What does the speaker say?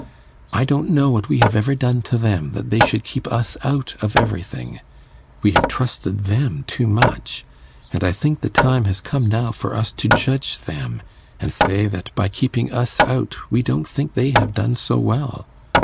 I don't know what we have ever done to them that they should keep us out of everything. We have trusted them too much, and I think the time has come now for us to judge them, and say that by keeping us out we don't think they have done so well.